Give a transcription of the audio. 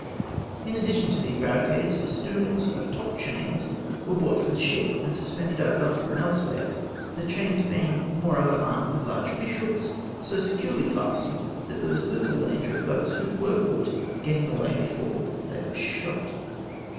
In addition to these barricades festoons of top chahis were brought from the ship, and suspended over the hopper and elsewhere ; the chains being more over armed with large fishhooks, so secm^ely fastened, that there was httle danger of those who were caught, getting away before they were shot.